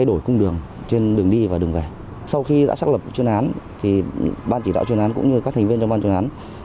do đinh văn hiệp điều khiển